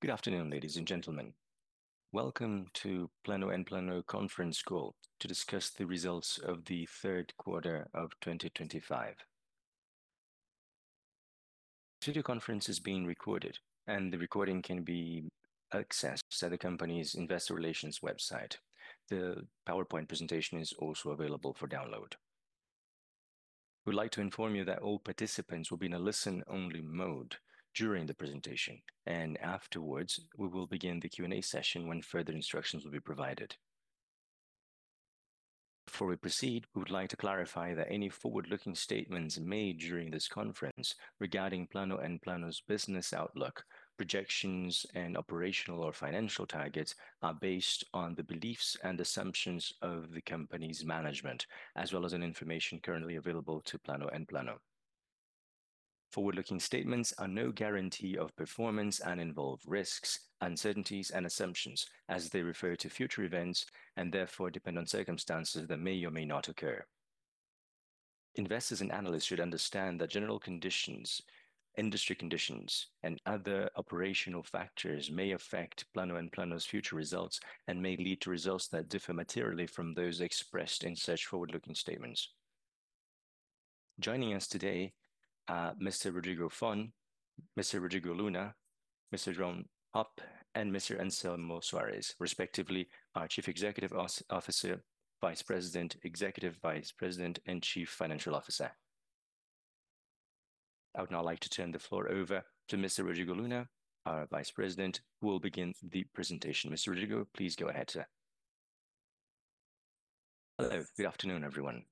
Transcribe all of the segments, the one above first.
Good afternoon, ladies and gentlemen. Welcome to Plano & Plano conference call to discuss the results of the third quarter of 2025. This video conference is being recorded, and the recording can be accessed at the company's investor relations website. The PowerPoint presentation is also available for download. We'd like to inform you that all participants will be in a listen-only mode during the presentation, and afterwards we will begin the Q&A session when further instructions will be provided. Before we proceed, we would like to clarify that any forward-looking statements made during this conference regarding Plano & Plano's business outlook, projections, and operational or financial targets are based on the beliefs and assumptions of the company's management, as well as in information currently available to Plano & Plano. Forward-looking statements are no guarantee of performance and involve risks, uncertainties and assumptions as they refer to future events, and therefore depend on circumstances that may or may not occur. Investors and analysts should understand that general conditions, industry conditions, and other operational factors may affect Plano & Plano's future results and may lead to results that differ materially from those expressed in such forward-looking statements. Joining us today are Mr. Rodrigo Fon, Mr. Rodrigo Luna, Mr. João Hopp, and Mr. Anselmo Soares, respectively, our Chief Executive Officer, Vice President, Executive Vice President, and Chief Financial Officer. I would now like to turn the floor over to Mr. Rodrigo Luna, our Vice President, who will begin the presentation. Mr. Rodrigo, please go ahead, sir. Hello. Good afternoon, everyone.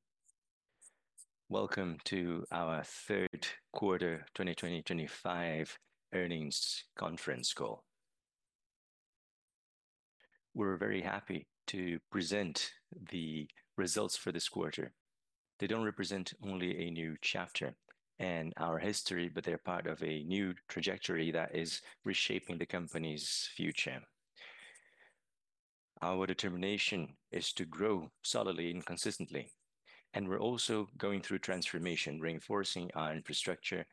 Welcome to our third quarter 2025 earnings conference call. We're very happy to present the results for this quarter. They don't represent only a new chapter in our history, but they're part of a new trajectory that is reshaping the company's future. Our determination is to grow solidly and consistently, and we're also going through transformation, reinforcing our infrastructure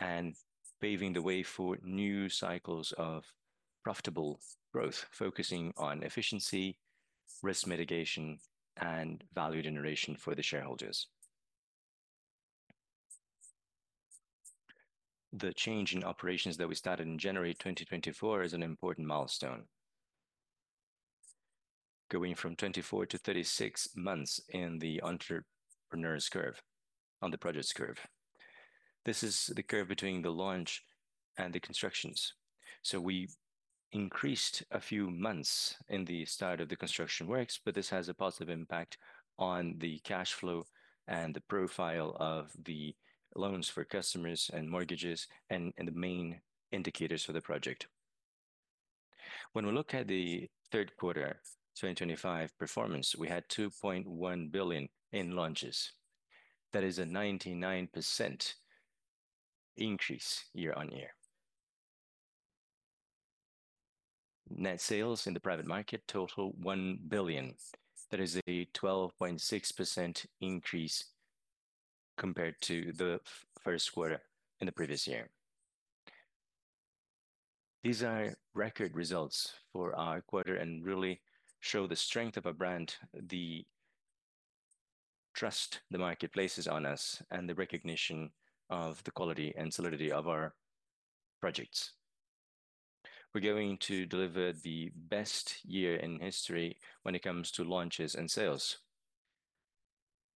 and paving the way for new cycles of profitable growth, focusing on efficiency, risk mitigation, and value generation for the shareholders. The change in operations that we started in January 2024 is an important milestone. Going from 24-36 months in the entrepreneur's curve, on the project's curve. This is the curve between the launch and the constructions. We increased a few months in the start of the construction works, but this has a positive impact on the cash flow and the profile of the loans for customers and mortgages and the main indicators for the project. When we look at the third quarter 2025 performance, we had 2.1 billion in launches. That is a 99% increase year-over-year. Net sales in the private market total 1 billion. That is a 12.6% increase compared to the first quarter in the previous year. These are record results for our quarter and really show the strength of our brand, the trust the market places on us, and the recognition of the quality and solidity of our projects. We're going to deliver the best year in history when it comes to launches and sales.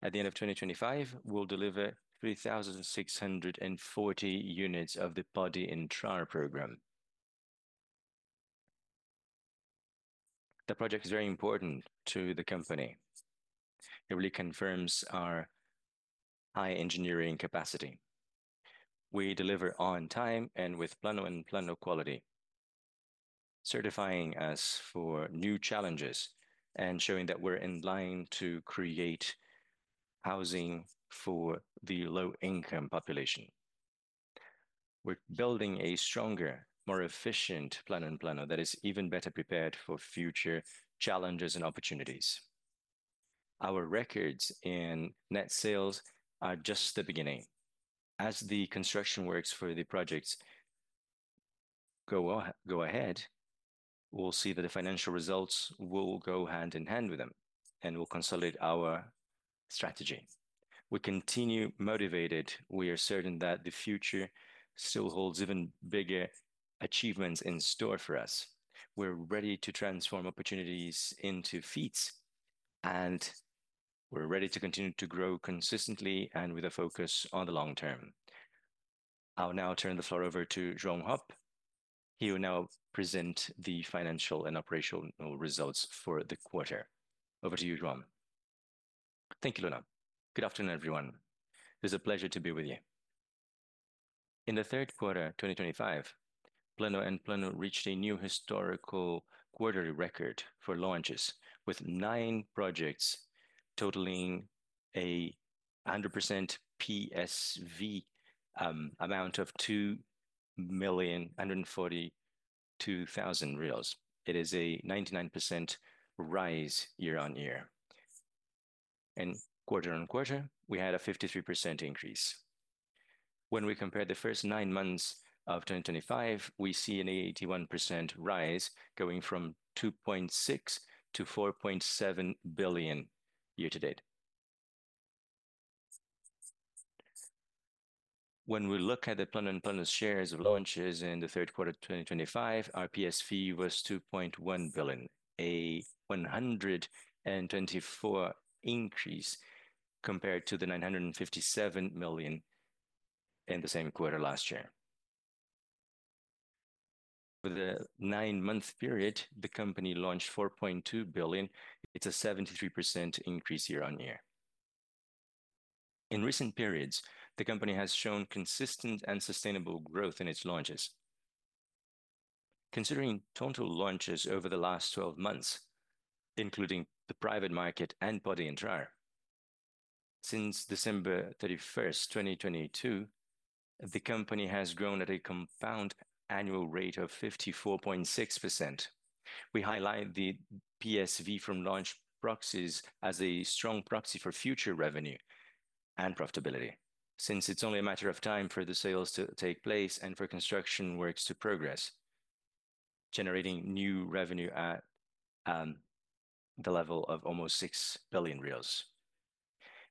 At the end of 2025, we'll deliver 3,640 units of the Pode Entrar program. The project is very important to the company. It really confirms our high engineering capacity. We deliver on time and with Plano & Plano quality, certifying us for new challenges and showing that we're in line to create housing for the low income population. We're building a stronger, more efficient Plano & Plano that is even better prepared for future challenges and opportunities. Our records in net sales are just the beginning. As the construction works for the projects go ahead, we'll see that the financial results will go hand in hand with them and will consolidate our strategy. We continue motivated. We are certain that the future still holds even bigger achievements in store for us. We're ready to transform opportunities into feats, and we're ready to continue to grow consistently and with a focus on the long term. I'll now turn the floor over to João Hopp. He will now present the financial and operational results for the quarter. Over to you, João. Thank you, Luna. Good afternoon, everyone. It's a pleasure to be with you. In the third quarter 2025, Plano & Plano reached a new historical quarterly record for launches with nine projects totaling 100% PSV amount of 2.142 million reais. It is a 99% rise year-on-year. Quarter-on-quarter, we had a 53% increase. When we compare the first 9 months of 2025, we see an 81% rise going from 2.6 billion to 4.7 billion year-to-date. When we look at the Plano & Plano shares of launches in the third quarter of 2025, our PSV was 2.1 billion, a 124% increase compared to the 957 million in the same quarter last year. For the nine-month period, the company launched 4.2 billion. It's a 73% increase year-on-year. In recent periods, the company has shown consistent and sustainable growth in its launches. Considering total launches over the last 12 months, including the private market and Pode Entrar, since December 31st, 2022, the company has grown at a compound annual rate of 54.6%. We highlight the PSV from launch proxies as a strong proxy for future revenue and profitability since it's only a matter of time for the sales to take place and for construction works to progress, generating new revenue at the level of almost 6 billion reais.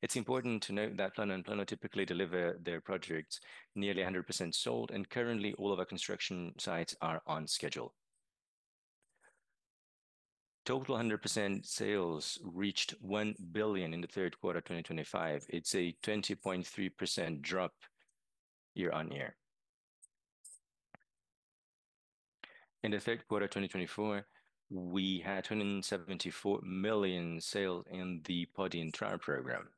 It's important to note that Plano & Plano typically deliver their projects nearly 100% sold, and currently all of our construction sites are on schedule. Total 100% sales reached 1 billion in the third quarter 2025. It's a 20.3% drop year-on-year. In the third quarter 2024, we had 274 million sales in the Pode Entrar program.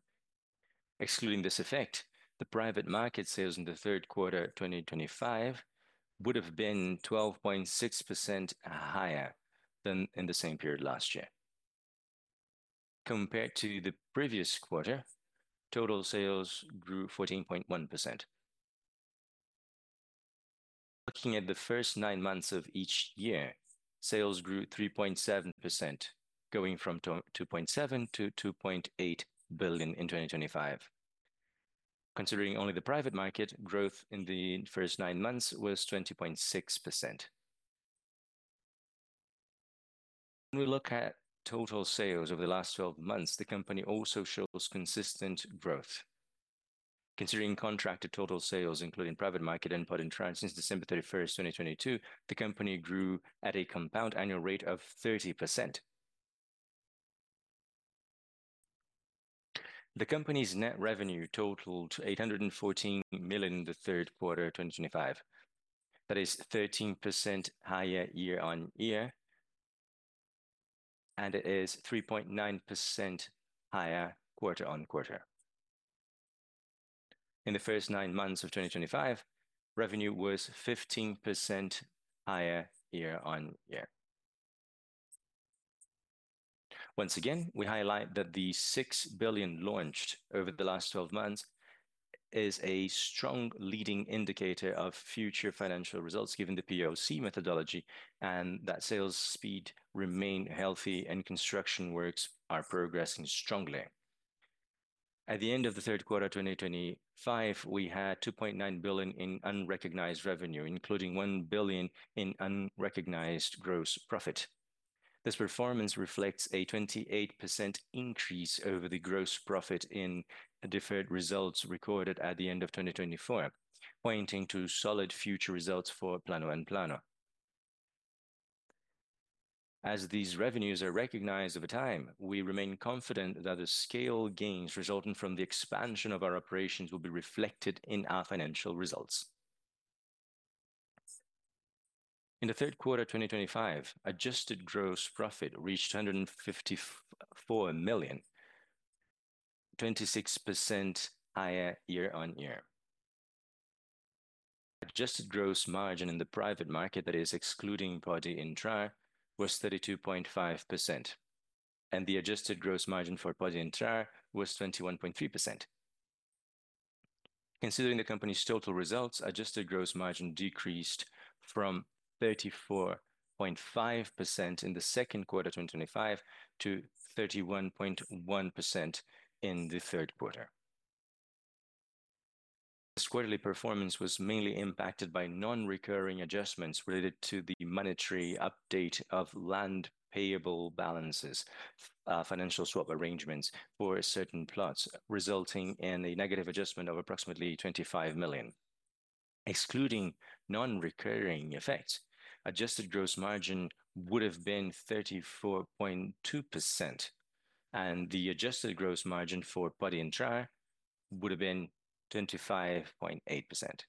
Excluding this effect, the private market sales in the third quarter 2025 would have been 12.6% higher than in the same period last year. Compared to the previous quarter, total sales grew 14.1%. Looking at the first nine months of each year, sales grew 3.7%, going from 2.7 billion to 2.8 billion in 2025. Considering only the private market, growth in the first nine months was 20.6%. When we look at total sales over the last twelve months, the company also shows consistent growth. Considering contracted total sales, including private market and Pode Entrar since December 31st, 2022, the company grew at a compound annual rate of 30%. The company's net revenue totaled 814 million in the third quarter 2025. That is 13% higher year-over-year, and it is 3.9% higher quarter-over-quarter. In the first nine months of 2025, revenue was 15% higher year-over-year. Once again, we highlight that the 6 billion launched over the last twelve months is a strong leading indicator of future financial results given the POC methodology and that sales speed remain healthy and construction works are progressing strongly. At the end of the third quarter 2025, we had 2.9 billion in unrecognized revenue, including 1 billion in unrecognized gross profit. This performance reflects a 28% increase over the gross profit in deferred results recorded at the end of 2024, pointing to solid future results for Plano & Plano. As these revenues are recognized over time, we remain confident that the scale gains resulting from the expansion of our operations will be reflected in our financial results. In the third quarter 2025, adjusted gross profit reached 154 million, 26% higher year-on-year. Adjusted gross margin in the private market, that is excluding Pode Entrar, was 32.5%, and the adjusted gross margin for the social was 21.3%. Considering the company's total results, adjusted gross margin decreased from 34.5% in the second quarter 2025 to 31.1% in the third quarter. This quarterly performance was mainly impacted by non-recurring adjustments related to the monetary update of land payable balances, financial swap arrangements for certain plots, resulting in a negative adjustment of approximately 25 million. Excluding non-recurring effects, adjusted gross margin would have been 34.2%, and the adjusted gross margin for Pode Entrar would have been 25.8%.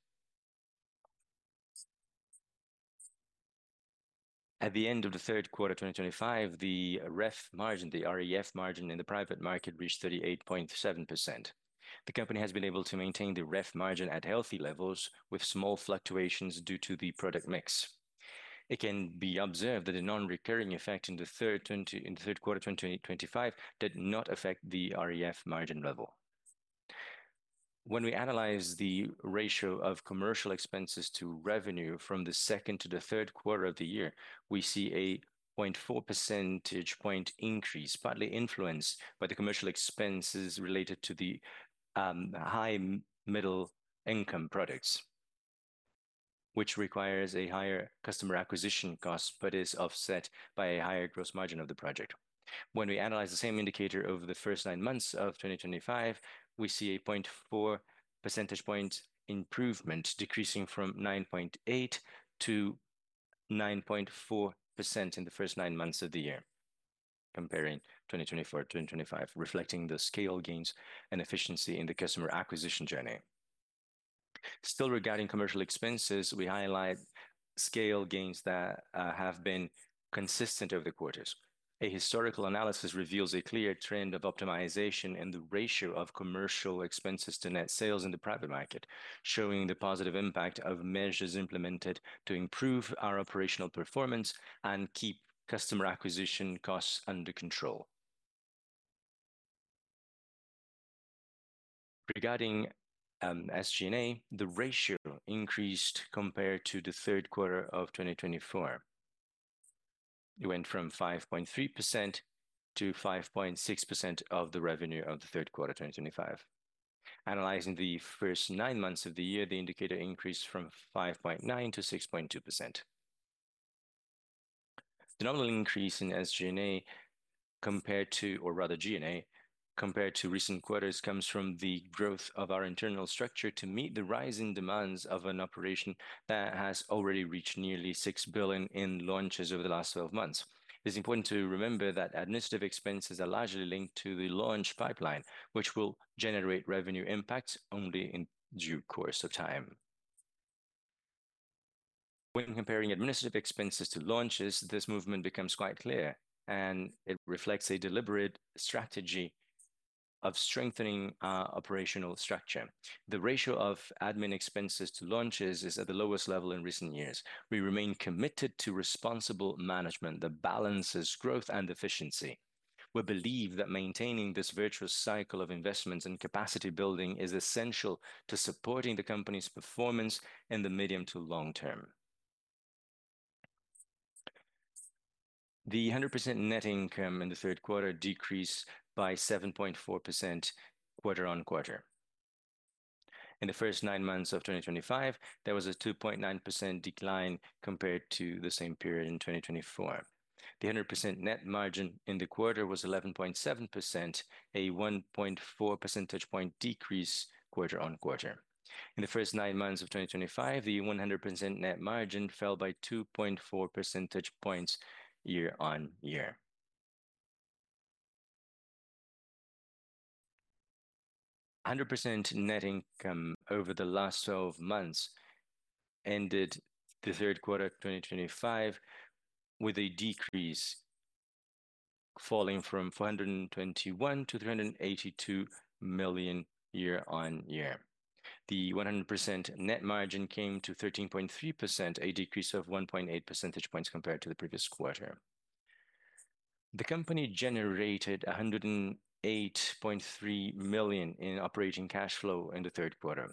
At the end of the third quarter 2025, the REF margin, the R-E-F margin in the private market reached 38.7%. The company has been able to maintain the REF margin at healthy levels with small fluctuations due to the product mix. It can be observed that the non-recurring effect in the third quarter 2025 did not affect the REF margin level. When we analyze the ratio of commercial expenses to revenue from the second to the third quarter of the year, we see a 0.4 percentage point increase, partly influenced by the commercial expenses related to the high middle income products, which requires a higher customer acquisition cost, but is offset by a higher gross margin of the project. When we analyze the same indicator over the first nine months of 2025, we see a 0.4 percentage point improvement decreasing from 9.8%-9.4% in the first nine months of the year, comparing 2024 to 2025, reflecting the scale gains and efficiency in the customer acquisition journey. Still regarding commercial expenses, we highlight scale gains that have been consistent over the quarters. A historical analysis reveals a clear trend of optimization in the ratio of commercial expenses to net sales in the private market, showing the positive impact of measures implemented to improve our operational performance and keep customer acquisition costs under control. Regarding SG&A, the ratio increased compared to the third quarter of 2024. It went from 5.3%-5.6% of the revenue of the third quarter 2025. Analyzing the first nine months of the year, the indicator increased from 5.9%-6.2%. The nominal increase in SG&A compared to. G&A compared to recent quarters comes from the growth of our internal structure to meet the rising demands of an operation that has already reached nearly 6 billion in launches over the last 12 months. It's important to remember that administrative expenses are largely linked to the launch pipeline, which will generate revenue impacts only in due course of time. When comparing administrative expenses to launches, this movement becomes quite clear, and it reflects a deliberate strategy of strengthening our operational structure. The ratio of admin expenses to launches is at the lowest level in recent years. We remain committed to responsible management that balances growth and efficiency. We believe that maintaining this virtuous cycle of investments and capacity building is essential to supporting the company's performance in the medium to long term. The 100% net income in the third quarter decreased by 7.4% quarter-on-quarter. In the first nine months of 2025, there was a 2.9% decline compared to the same period in 2024. The 100% net margin in the quarter was 11.7%, a 1.4 percentage point decrease quarter-on-quarter. In the first nine months of 2025, the 100% net margin fell by 2.4 percentage points year-on-year. 100% net income over the last twelve months ended the third quarter 2025 with a decrease falling from 421 million to 382 million year-on-year. The 100% net margin came to 13.3%, a decrease of 1.8 percentage points compared to the previous quarter. The company generated 108.3 million in operating cash flow in the third quarter.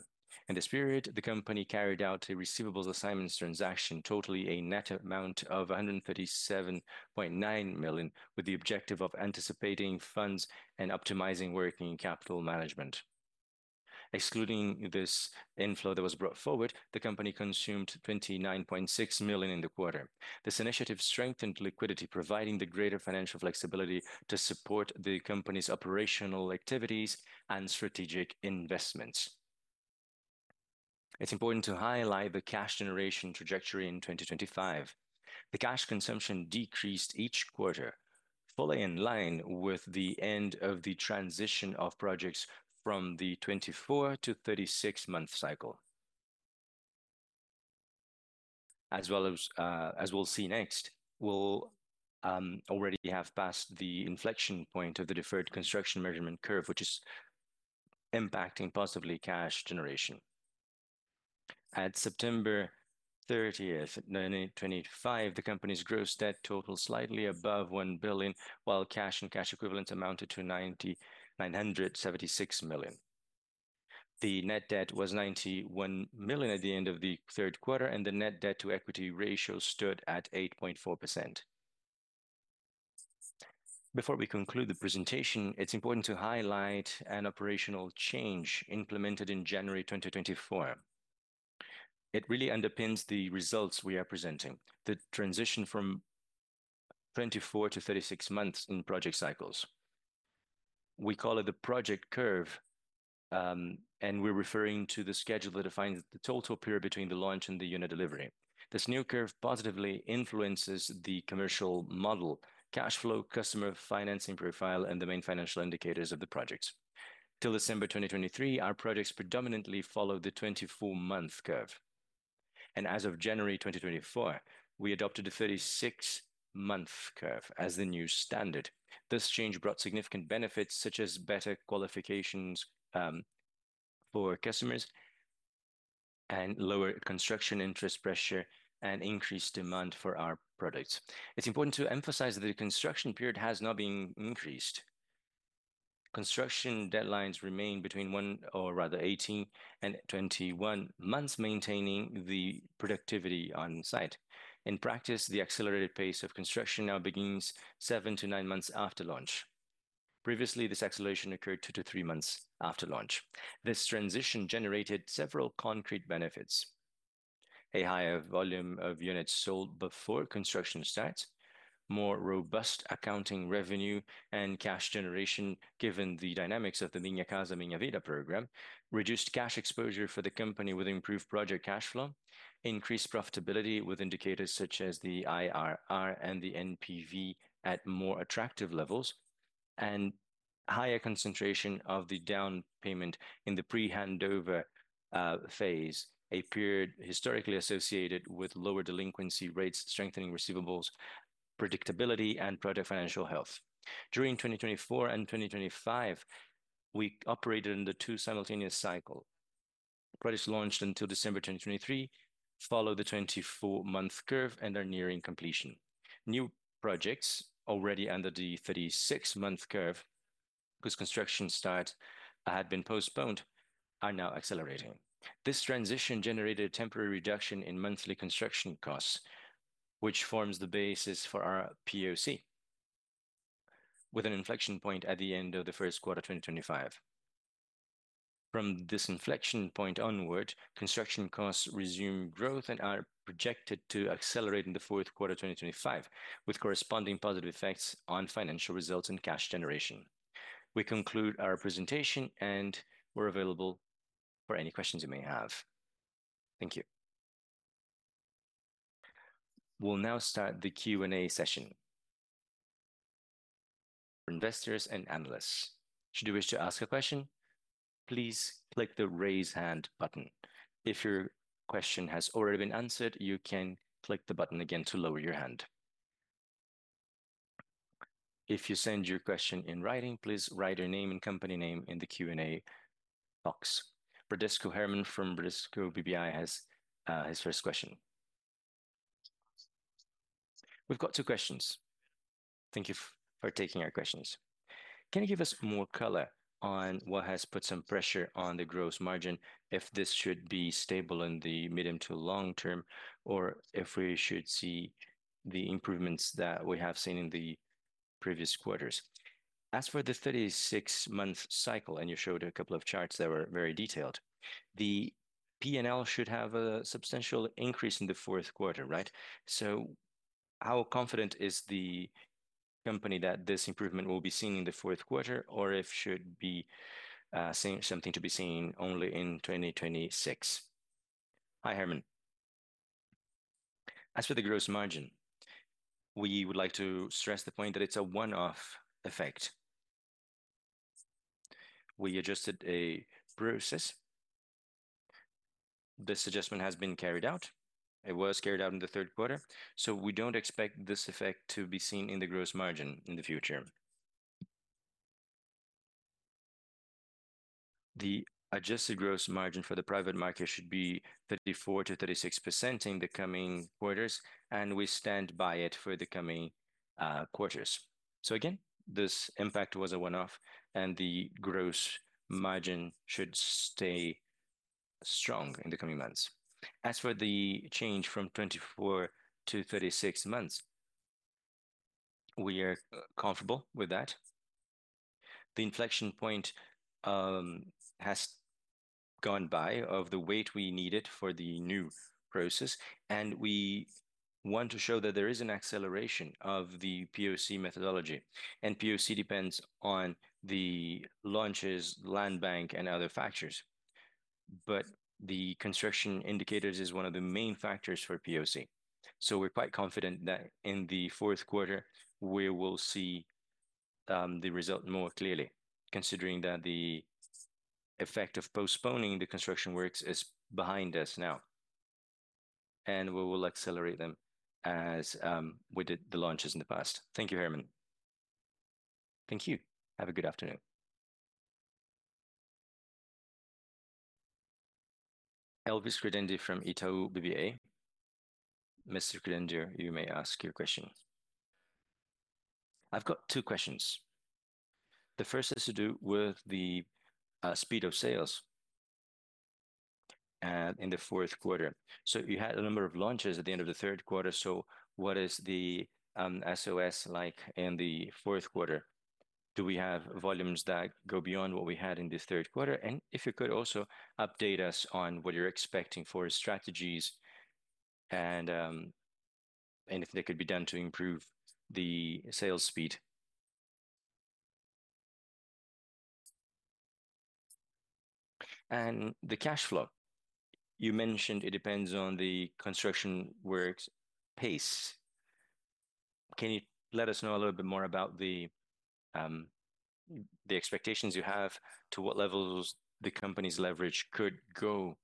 In this period, the company carried out a receivables assignments transaction totaling a net amount of 137.9 million, with the objective of anticipating funds and optimizing working capital management. Excluding this inflow that was brought forward, the company consumed 29.6 million in the quarter. This initiative strengthened liquidity, providing the greater financial flexibility to support the company's operational activities and strategic investments. It's important to highlight the cash generation trajectory in 2025. The cash consumption decreased each quarter, fully in line with the end of the transition of projects from the 24- to 36-month cycle. As well as we'll see next, we'll already have passed the inflection point of the deferred construction measurement curve, which is impacting possibly cash generation. At September 30th, 2025, the company's gross debt totaled slightly above 1 billion, while cash and cash equivalents amounted to 997.6 million. The net debt was 91 million at the end of the third quarter, and the net debt to equity ratio stood at 8.4%. Before we conclude the presentation, it's important to highlight an operational change implemented in January 2024. It really underpins the results we are presenting, the transition from 24-36 months in project cycles. We call it the project curve, and we're referring to the schedule that defines the total period between the launch and the unit delivery. This new curve positively influences the commercial model, cash flow, customer financing profile, and the main financial indicators of the projects. Till December 2023, our projects predominantly followed the 24-month curve. As of January 2024, we adopted a 36-month curve as the new standard. This change brought significant benefits such as better qualifications for customers and lower construction interest pressure and increased demand for our products. It's important to emphasize that the construction period has now been increased. Construction deadlines remain between 18-21 months, maintaining the productivity on site. In practice, the accelerated pace of construction now begins 7-9 months after launch. Previously, this acceleration occurred 2-3 months after launch. This transition generated several concrete benefits. A higher volume of units sold before construction starts, more robust accounting revenue and cash generation, given the dynamics of the Minha Casa, Minha Vida program. Reduced cash exposure for the company with improved project cash flow. Increased profitability with indicators such as the IRR and the NPV at more attractive levels. Higher concentration of the down payment in the pre-handover phase, a period historically associated with lower delinquency rates, strengthening receivables, predictability and product financial health. During 2024 and 2025, we operated in the two simultaneous cycle. Projects launched until December 2023 follow the 24-month curve and are nearing completion. New projects already under the 36-month curve, whose construction start had been postponed, are now accelerating. This transition generated a temporary reduction in monthly construction costs, which forms the basis for our POC, with an inflection point at the end of the first quarter 2025. From this inflection point onward, construction costs resume growth and are projected to accelerate in the fourth quarter 2025, with corresponding positive effects on financial results and cash generation. We conclude our presentation, and we're available for any questions you may have. Thank you. We'll now start the Q&A session for investors and analysts. Should you wish to ask a question, please click the Raise Hand button. If your question has already been answered, you can click the button again to lower your hand. If you send your question in writing, please write your name and company name in the Q&A box. Herman from Bradesco BBI has his first question. We've got two questions. Thank you for taking our questions. Can you give us more color on what has put some pressure on the gross margin, if this should be stable in the medium to long term, or if we should see the improvements that we have seen in the previous quarters? As for the 36-month cycle, and you showed a couple of charts that were very detailed, the P&L should have a substantial increase in the fourth quarter, right? How confident is the company that this improvement will be seen in the fourth quarter or if it should be seen only in 2026? Hi, Herman. As for the gross margin, we would like to stress the point that it's a one-off effect. We adjusted a process. This adjustment has been carried out. It was carried out in the third quarter, so we don't expect this effect to be seen in the gross margin in the future. The adjusted gross margin for the private market should be 34%-36% in the coming quarters, and we stand by it for the coming quarters. Again, this impact was a one-off, and the gross margin should stay strong in the coming months. As for the change from 24-36 months, we are comfortable with that. The inflection point has gone by of the weight we needed for the new process, and we want to show that there is an acceleration of the POC methodology. POC depends on the launches, land bank, and other factors. The construction indicators is one of the main factors for POC. We're quite confident that in the fourth quarter we will see the result more clearly, considering that the effect of postponing the construction works is behind us now, and we will accelerate them as we did the launches in the past. Thank you, Herman. Thank you. Have a good afternoon. Elvis Credendio from Itaú BBA. Mr. Credendio, you may ask your question. I've got two questions. The first has to do with the speed of sales in the fourth quarter. You had a number of launches at the end of the third quarter, so what is the SOS like in the fourth quarter? Do we have volumes that go beyond what we had in the third quarter? If you could also update us on what you're expecting for strategies and if they could be done to improve the sales speed. The cash flow, you mentioned it depends on the construction works pace. Can you let us know a little bit more about the expectations you have to what levels the company's leverage could go.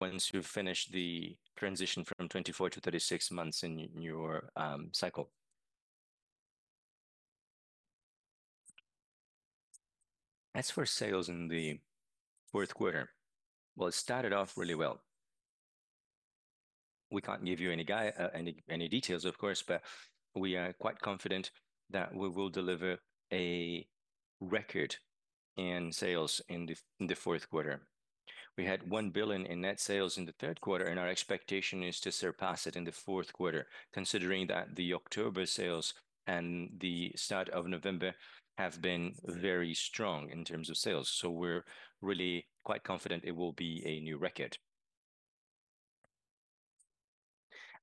Once you've finished the transition from 24-36 months in your cycle. As for sales in the fourth quarter, well, it started off really well. We can't give you any details, of course, but we are quite confident that we will deliver a record in sales in the fourth quarter. We had 1 billion in net sales in the third quarter, and our expectation is to surpass it in the fourth quarter, considering that the October sales and the start of November have been very strong in terms of sales. We're really quite confident it will be a new record.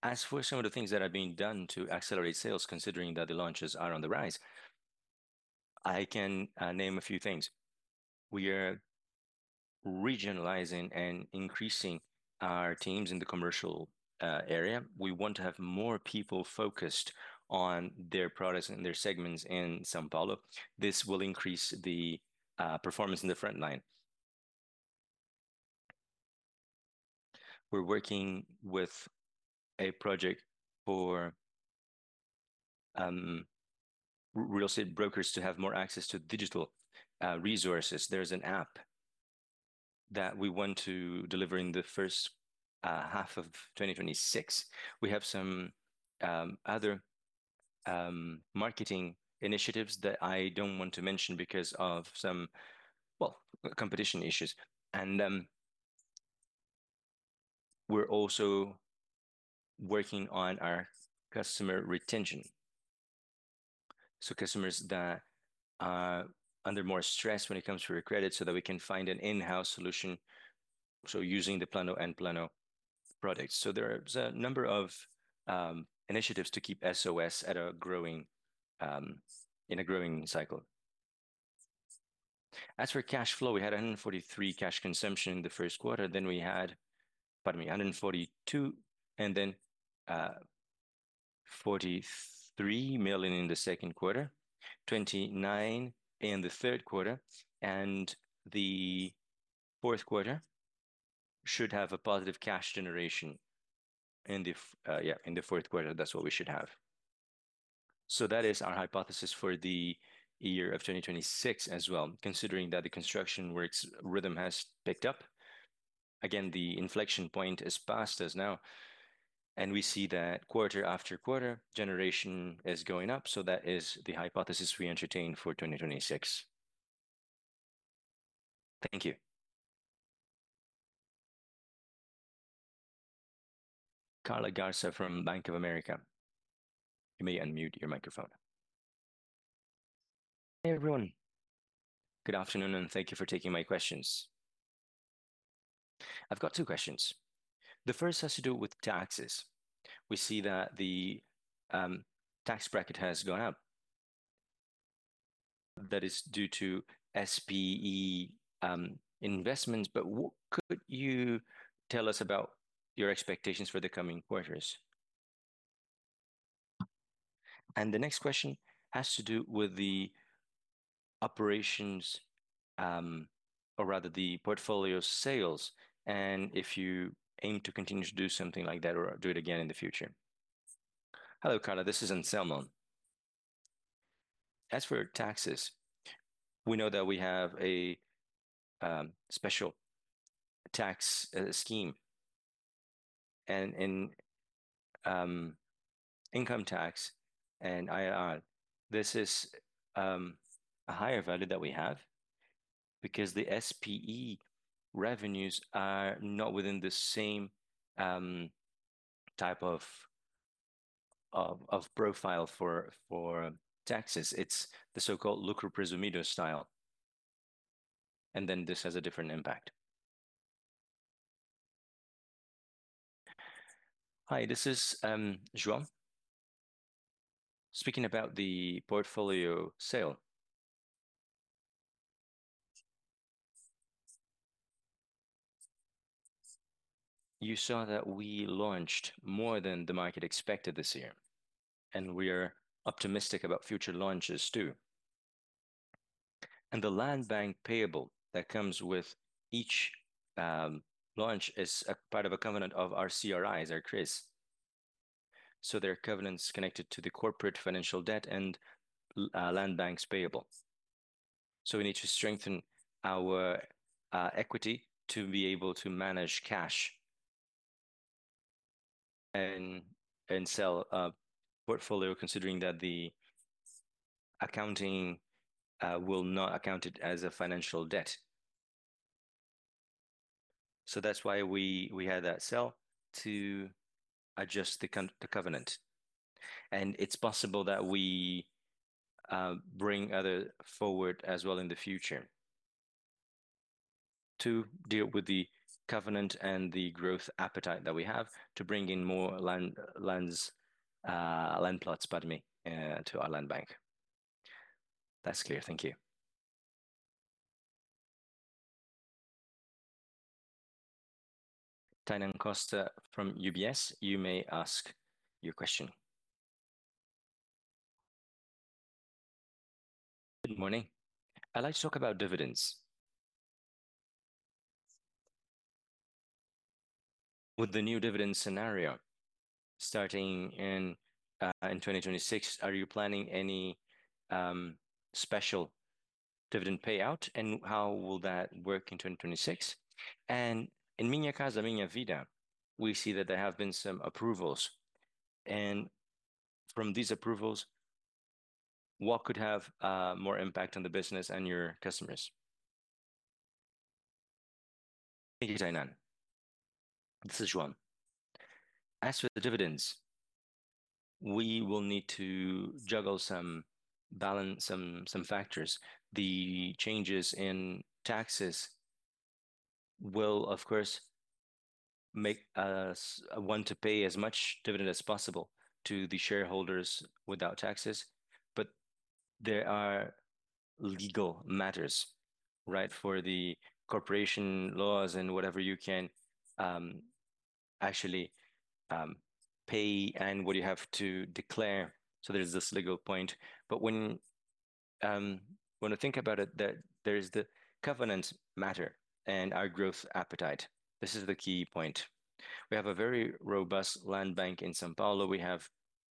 As for some of the things that are being done to accelerate sales, considering that the launches are on the rise, I can name a few things. We are regionalizing and increasing our teams in the commercial area. We want to have more people focused on their products and their segments in São Paulo. This will increase the performance in the front line. We're working with a project for real estate brokers to have more access to digital resources. There's an app that we want to deliver in the first half of 2026. We have some other marketing initiatives that I don't want to mention because of some, well, competition issues. We're also working on our customer retention, so customers that are under more stress when it comes to your credit so that we can find an in-house solution, so using the Plano & Plano products. There is a number of initiatives to keep SOS in a growing cycle. As for cash flow, we had 143 cash consumption in the first quarter. We had pardon me, 142 million, and then 43 million in the second quarter, 29 million in the third quarter, and the fourth quarter should have a positive cash generation in the fourth quarter, that's what we should have. That is our hypothesis for the year of 2026 as well, considering that the construction where its rhythm has picked up. Again, the inflection point is past us now, and we see that quarter after quarter generation is going up, so that is the hypothesis we entertain for 2026. Thank you. Carla Garza from Bank of America. You may unmute your microphone. Hey, everyone. Good afternoon, and thank you for taking my questions. I've got two questions. The first has to do with taxes. We see that the tax bracket has gone up. That is due to SPE investments. What could you tell us about your expectations for the coming quarters? The next question has to do with the operations, or rather the portfolio sales, and if you aim to continue to do something like that or do it again in the future. Hello, Carla, this is Anselmo. As for taxes, we know that we have a special tax scheme and income tax and IR. This is a higher value that we have because the SPE revenues are not within the same type of profile for taxes. It's the so-called Lucro Presumido style, and then this has a different impact. Hi, this is João. Speaking about the portfolio sale. You saw that we launched more than the market expected this year, and we're optimistic about future launches too. The land bank payable that comes with each launch is a part of a covenant of our CRIs. There are covenants connected to the corporate financial debt and land banks payable. We need to strengthen our equity to be able to manage cash and sell a portfolio, considering that the accounting will not account it as a financial debt. That's why we had that sale to adjust the covenant. It's possible that we bring other forward as well in the future to deal with the covenant and the growth appetite that we have to bring in more land plots, pardon me, to our land bank. That's clear. Thank you. Tainá Costa from UBS, you may ask your question. Good morning. I'd like to talk about dividends. With the new dividend scenario starting in 2026, are you planning any special dividend payout, and how will that work in 2026? In Minha Casa, Minha Vida, we see that there have been some approvals. From these approvals, what could have more impact on the business and your customer? Thank you, Tainá. This is João. As for the dividends, we will need to juggle some balance, some factors. The changes in taxes will of course make us want to pay as much dividend as possible to the shareholders without taxes. But there are legal matters, right? For the corporation laws and whatever you can actually pay and what you have to declare. There's this legal point, but when I think about it, that there is the covenant matter and our growth appetite. This is the key point. We have a very robust land bank in São Paulo. We have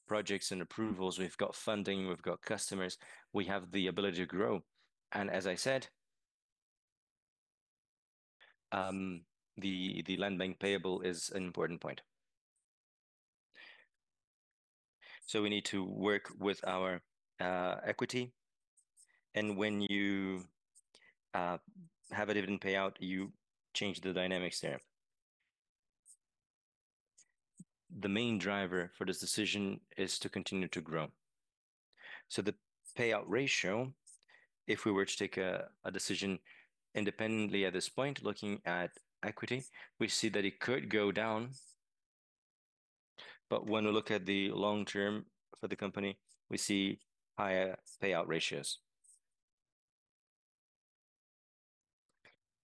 projects and approvals. We've got funding. We've got customers. We have the ability to grow. As I said, the land bank payable is an important point. We need to work with our equity. When you have a dividend payout, you change the dynamics there. The main driver for this decision is to continue to grow. The payout ratio, if we were to take a decision independently at this point, looking at equity, we see that it could go down. When we look at the long term for the company, we see higher payout ratios.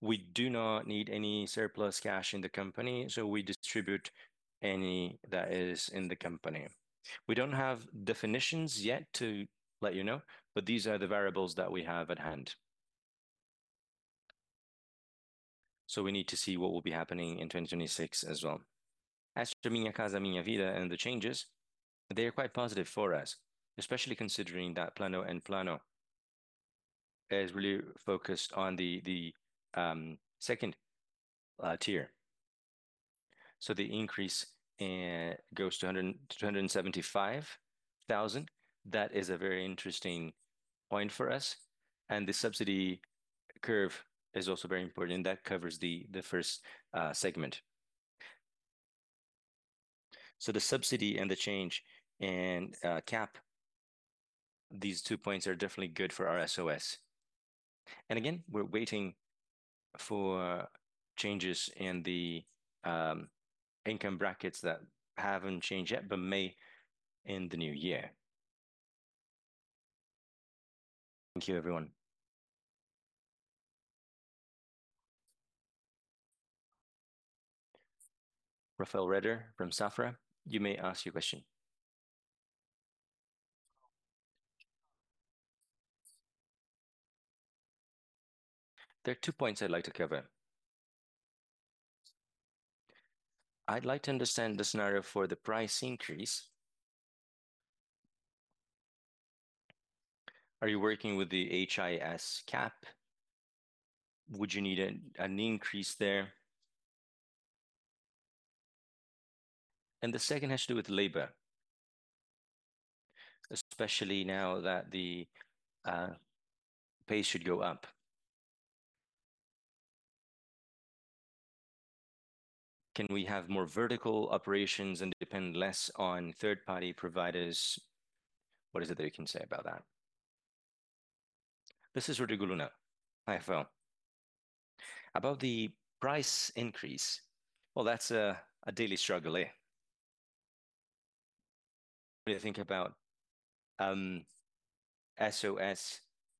We do not need any surplus cash in the company, so we distribute any that is in the company. We don't have definitions yet to let you know, but these are the variables that we have at hand. We need to see what will be happening in 2026 as well. As to Minha Casa, Minha Vida and the changes, they are quite positive for us, especially considering that Plano & Plano is really focused on the second tier. The increase goes to 275,000. That is a very interesting point for us, and the subsidy curve is also very important, and that covers the first segment. The subsidy and the change and cap, these two points are definitely good for our SOS. Again, we're waiting for changes in the income brackets that haven't changed yet, but may in the new year. Thank you, everyone. Rafael Rehder from Safra, you may ask your question. There are two points I'd like to cover. I'd like to understand the scenario for the price increase. Are you working with the HIS cap? Would you need an increase there? The second has to do with labor, especially now that the pay should go up. Can we have more vertical operations and depend less on third-party providers? What is it that you can say about that? This is Rodrigo Luna, IFO. About the price increase, well, that's a daily struggle, eh? When you think about VSO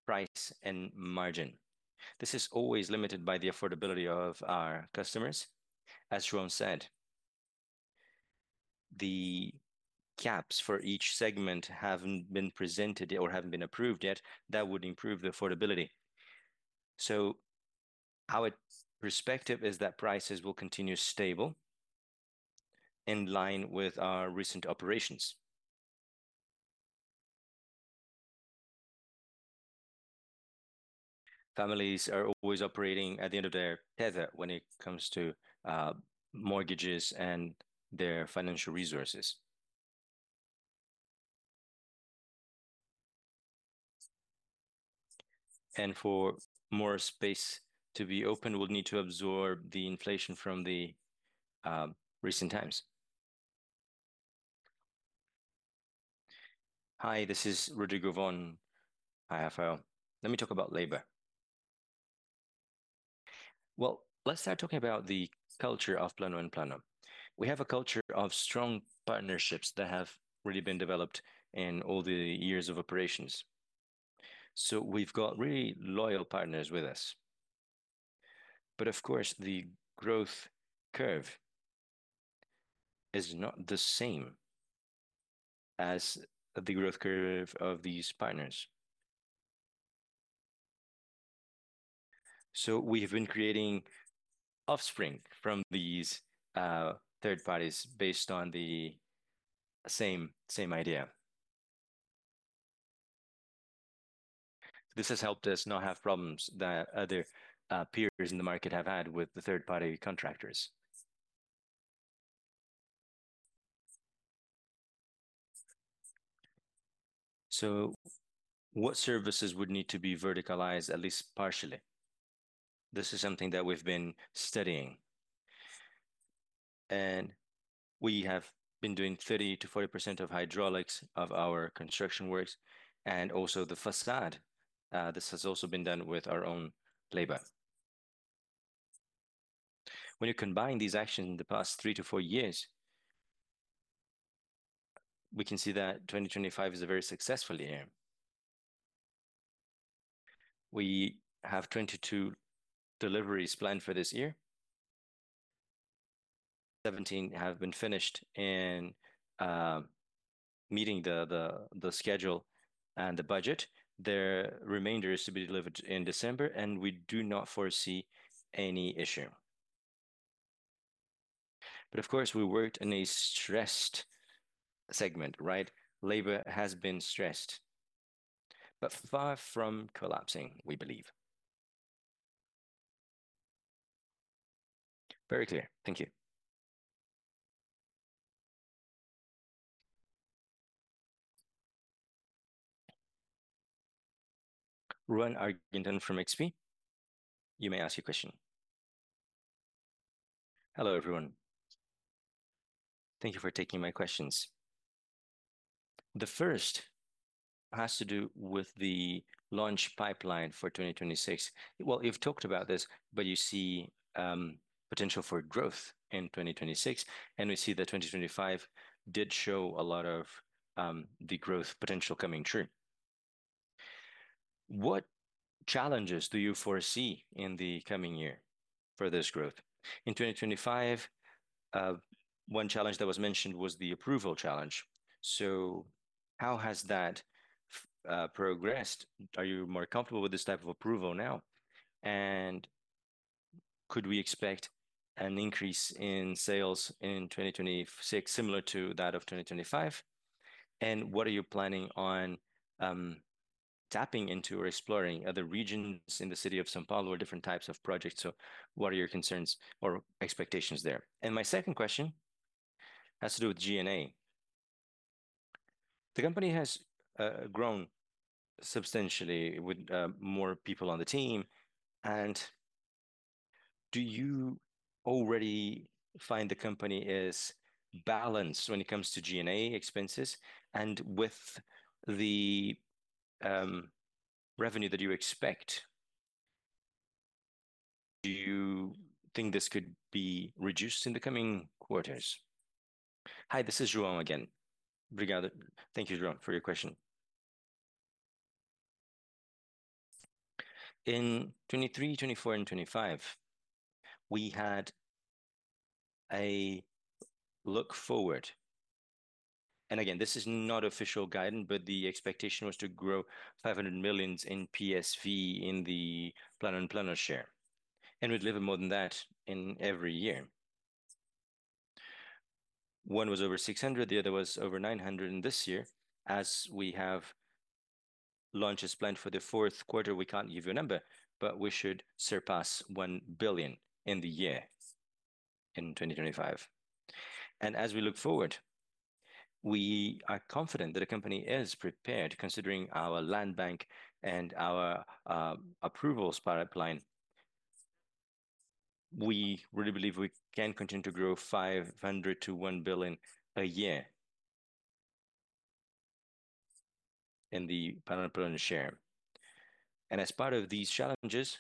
price and margin. This is always limited by the affordability of our customers. As João said, the caps for each segment haven't been presented yet or haven't been approved yet. That would improve the affordability. Our perspective is that prices will continue stable in line with our recent operations. Families are always operating at the end of their tether when it comes to mortgages and their financial resources. For more space to be open, we'll need to absorb the inflation from the recent times. Hi, this is Rodrigo Fon, IFO. Let me talk about labor. Well, let's start talking about the culture of Plano & Plano. We have a culture of strong partnerships that have really been developed in all the years of operations. We've got really loyal partners with us. Of course, the growth curve is not the same as the growth curve of these partners. We have been creating offspring from these third parties based on the same idea. This has helped us not have problems that other peers in the market have had with the third-party contractors. What services would need to be verticalized at least partially? This is something that we've been studying. We have been doing 30%-40% of hydraulics of our construction works and also the façade. This has also been done with our own labor. When you combine these actions in the past 3-4 years, we can see that 2025 is a very successful year. We have 22 deliveries planned for this year. 17 have been finished and meeting the schedule and the budget. The remainder is to be delivered in December, and we do not foresee any issue. Of course, we worked in a stressed segment, right? Labor has been stressed, but far from collapsing, we believe. Very clear. Thank you. Ruan Argenton from XP, you may ask your question. Hello, everyone. Thank you for taking my questions. The first has to do with the launch pipeline for 2026. Well, you've talked about this, but you see potential for growth in 2026, and we see that 2025 did show a lot of the growth potential coming true. What challenges do you foresee in the coming year for this growth? In 2025, one challenge that was mentioned was the approval challenge. So how has that progressed? Are you more comfortable with this type of approval now? And could we expect an increase in sales in 2026 similar to that of 2025? And what are you planning on tapping into or exploring other regions in the city of São Paulo or different types of projects? What are your concerns or expectations there? My second question has to do with G&A. The company has grown substantially with more people on the team, and do you already find the company is balanced when it comes to G&A expenses? With the revenue that you expect, do you think this could be reduced in the coming quarters? Hi, this is João again. Obrigado. Thank you, Ruan, for your question. In 2023, 2024 and 2025, we had a look forward. Again, this is not official guidance, but the expectation was to grow 500 million in PSV in the Plano & Plano share. We delivered more than that in every year. One was over 600 million, the other was over 900 million. This year, as we have launches planned for the fourth quarter, we can't give you a number, but we should surpass 1 billion in the year in 2025. As we look forward, we are confident that the company is prepared considering our land bank and our approvals pipeline. We really believe we can continue to grow 500 to 1 billion a year in the Plano & Plano share. As part of these challenges,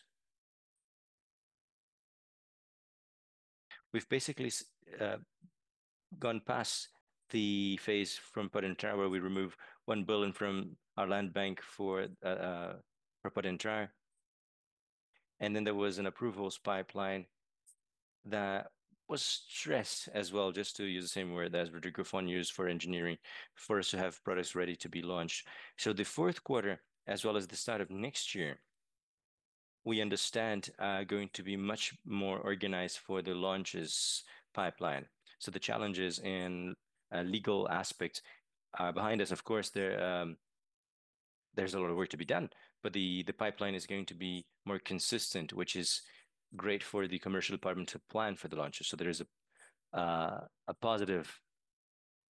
we've basically gone past the phase from Pode Entrar where we remove 1 billion from our land bank for Pode Entrar. Then there was an approvals pipeline that was stressed as well, just to use the same word as Rodrigo Fon used for engineering, for us to have products ready to be launched. The fourth quarter as well as the start of next year, we understand are going to be much more organized for the launches pipeline. The challenges in legal aspects are behind us. Of course, there's a lot of work to be done, but the pipeline is going to be more consistent, which is great for the commercial department to plan for the launches. There is a positive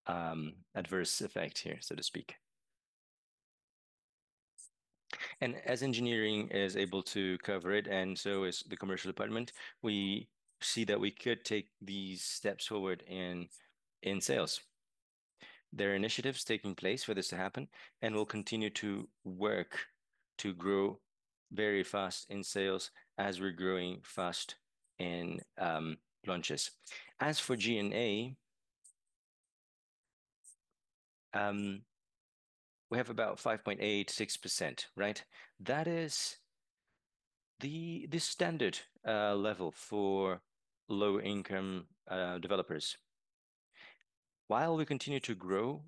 adverse effect here, so to speak. As engineering is able to cover it, and so is the commercial department, we see that we could take these steps forward in sales. There are initiatives taking place for this to happen, and we'll continue to work to grow very fast in sales as we're growing fast in launches. As for G&A, we have about 5.86%, right? That is the standard level for low-income developers. While we continue to grow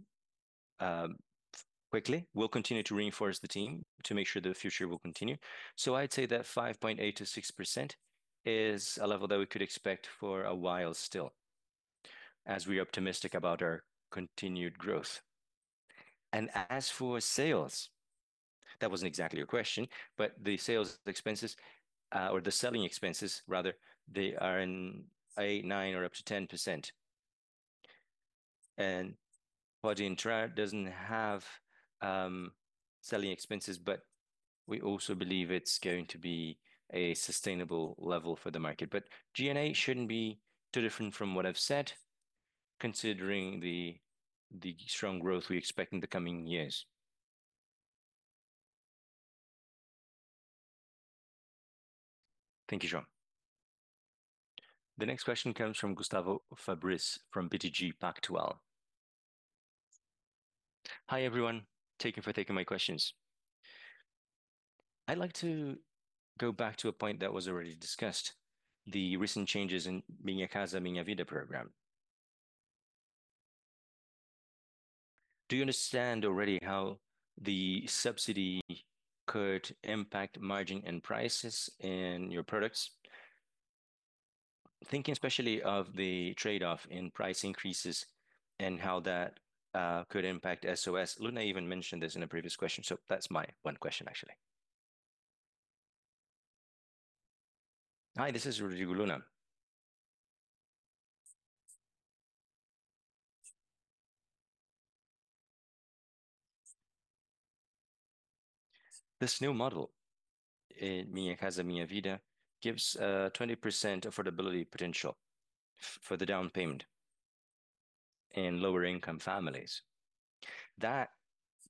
quickly, we'll continue to reinforce the team to make sure the future will continue. I'd say that 5.8%-6% is a level that we could expect for a while still, as we're optimistic about our continued growth. As for sales, that wasn't exactly your question, but the sales expenses, or the selling expenses rather, they are in 8%, 9% or up to 10%. Pode Entrar doesn't have selling expenses, but we also believe it's going to be a sustainable level for the market. G&A shouldn't be too different from what I've said, considering the strong growth we expect in the coming years. Thank you, João. The next question comes from Gustavo Fabris from BTG Pactual. Hi, everyone. Thank you for taking my questions. I'd like to go back to a point that was already discussed, the recent changes in Minha Casa, Minha Vida program. Do you understand already how the subsidy could impact margin and prices in your products? Thinking especially of the trade-off in price increases and how that could impact SOS. Luna even mentioned this in a previous question, so that's my one question, actually. Hi, this is Rodrigo Luna. This new model in Minha Casa, Minha Vida gives a 20% affordability potential for the down payment in lower income families. That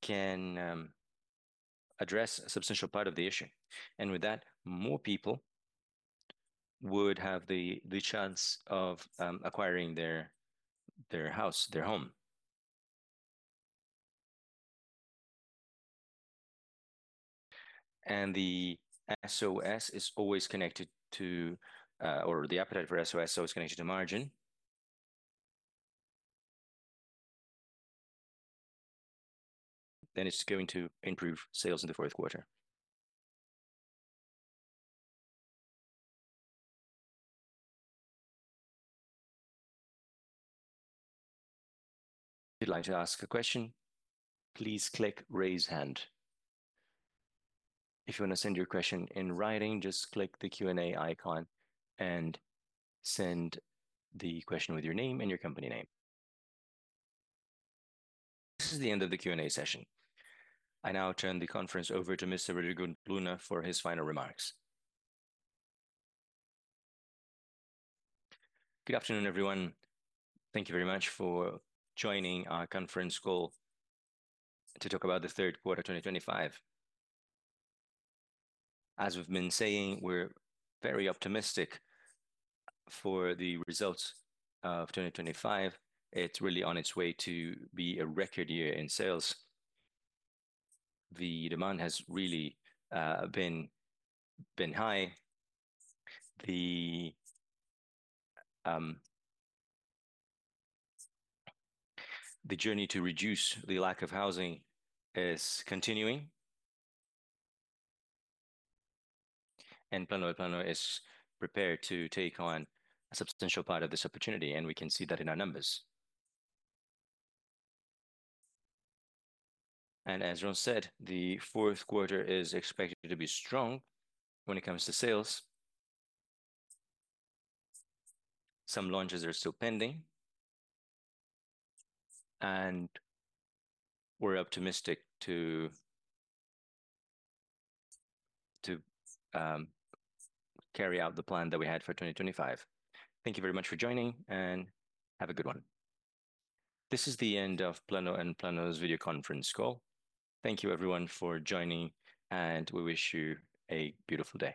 can address a substantial part of the issue. With that, more people would have the chance of acquiring their house, their home. The SOS is always connected to or the appetite for SOS, so it's connected to margin. It's going to improve sales in the fourth quarter. If you'd like to ask a question, please click Raise Hand. If you want to send your question in writing, just click the Q&A icon and send the question with your name and your company name. This is the end of the Q&A session. I now turn the conference over to Mr. Rodrigo Luna for his final remarks. Good afternoon, everyone. Thank you very much for joining our conference call to talk about the third quarter 2025. As we've been saying, we're very optimistic for the results of 2025. It's really on its way to be a record year in sales. The demand has really been high. The journey to reduce the lack of housing is continuing. Plano & Plano is prepared to take on a substantial part of this opportunity, and we can see that in our numbers. As João Hopp said, the fourth quarter is expected to be strong when it comes to sales. Some launches are still pending, and we're optimistic to carry out the plan that we had for 2025. Thank you very much for joining, and have a good one. This is the end of Plano & Plano's video conference call. Thank you everyone for joining, and we wish you a beautiful day.